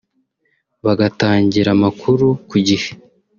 bagatangira amakuru ku gihe